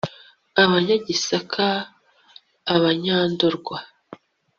abanyagisaka, abanyandorwa, n